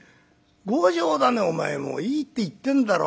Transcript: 強情だねお前も。いいって言ってるだろ。